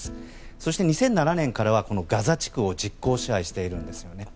そして２００７年からはこのガザ地区を実効支配しているんですよね。